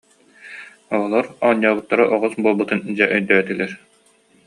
Оҕолор оонньообуттара оҕус буолбутун дьэ өйдөөтүлэр